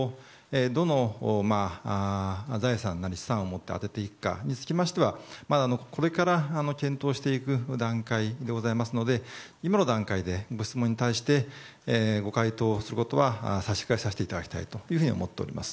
どの財産なり資産を持って充てていくかになりますがこれから検討していく段階でありますので今の段階でご質問に対して回答をすることは差し控えさせていただきたいと思います。